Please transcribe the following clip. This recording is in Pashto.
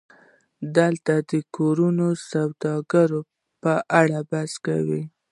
دلته د کورنۍ سوداګرۍ په اړه بحث کوو